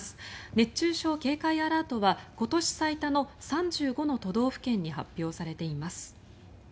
熱中症警戒アラートは今年最多の３５の都道府県に発表されています。